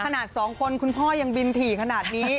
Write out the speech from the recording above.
สองคนคุณพ่อยังบินถี่ขนาดนี้